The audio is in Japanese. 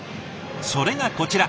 それがこちら。